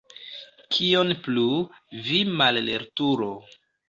Kion plu, vi mallertulo!